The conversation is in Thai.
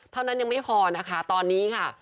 เท่านั้นยังไม่พอนะคะตอนนี้ค่ะ